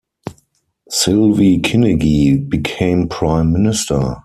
Sylvie Kinigi became Prime Minister.